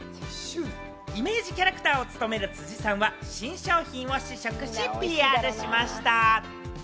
イメージキャラクターを務める辻さんは新商品を試食し、ＰＲしました。